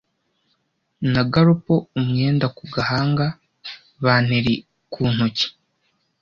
na gallop umwenda ku gahanga banteri ku ntoki